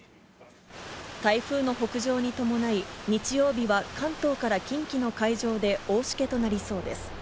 台風の北上に伴い、日曜日は関東から近畿の海上で大しけとなりそうです。